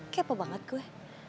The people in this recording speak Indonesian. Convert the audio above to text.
kepo banget gue